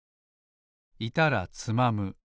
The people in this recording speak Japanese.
いたらつまむ。